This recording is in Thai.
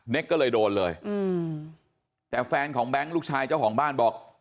ก็เลยโดนเลยแต่แฟนของแบงค์ลูกชายเจ้าของบ้านบอก